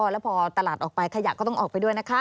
แล้วพอตลาดออกไปขยะก็ต้องออกไปด้วยนะคะ